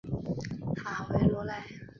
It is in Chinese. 法韦罗莱。